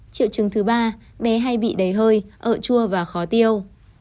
triệu chứng thứ ba bé hay bị đầy hơi ở chua và khó tiêu